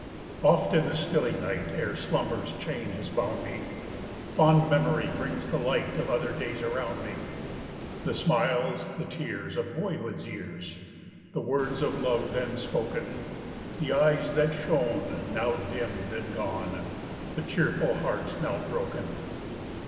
Oft, in the stilly night, Ere slumber's chain has bound me, Fond Memory brings the light Of other days around me: The smiles, the tears Of boyhood's years, The words of love then spoken; The eyes that shone, Now dimm'd and gone, The cheerful hearts now broken!